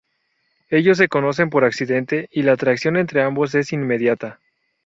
Ellos se conocen por accidente y la atracción entre ambos es inmediata.